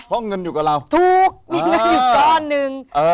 เพราะเงินอยู่กับเราถูกมีเงินอยู่ก้อนหนึ่ง